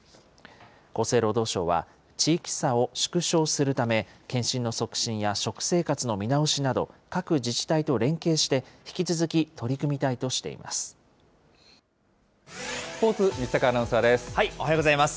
厚生労働省は、地域差を縮小するため、検診の促進や食生活の見直しなど、各自治体と連携して、引き続き取スポーツ、おはようございます。